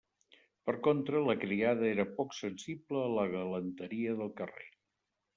Per contra, la criada era poc sensible a la galanteria del carrer.